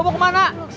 suara hidup erick